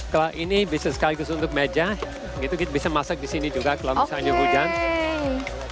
kalau ini bisa sekaligus untuk meja bisa masak di sini juga kalau misalnya hujan